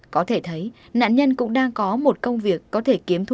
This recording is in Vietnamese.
có thể thấy nạn nhân cũng đang có một công việc có thể kiếm thu